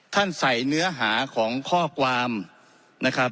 ใส่เนื้อหาของข้อความนะครับ